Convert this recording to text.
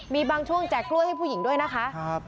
มีบางช่วงแจกกล้วยให้ผู้หญิงด้วยนะคะ